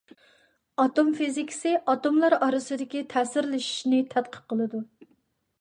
ئاتوم فىزىكىسى ئاتوملار ئارىسىدىكى تەسىرلىشىشنى تەتقىق قىلىدۇ.